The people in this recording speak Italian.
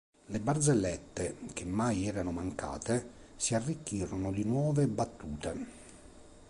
Le barzellette, che mai erano mancate, si arricchirono di nuove battute.